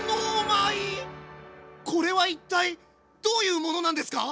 これは一体どういうものなんですか？